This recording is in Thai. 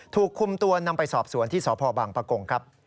ถูกคุมตัวนำไปสอบสวนที่สพบังปะกงครับ